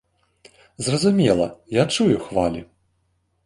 Зразумела, я чую хвалі.